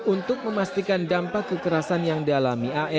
untuk memastikan dampak kekerasan yang dalam